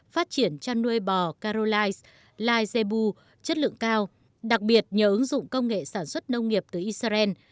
phát triển chăn nuôi bò karolais lai zebu chất lượng cao đặc biệt nhờ ứng dụng công nghệ sản xuất nông nghiệp từ israel